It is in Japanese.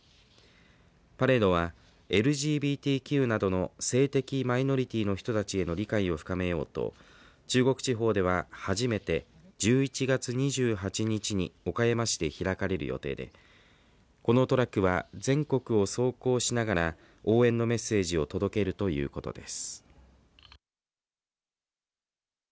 パレードはＬＧＢＴＱなどの性的マイノリティーの人たちへの理解を深めようと中国地方では初めて１１月２８日に岡山市で開かれる予定でこのトラックは全国を走行しながら応援のメッセージを届けるということです。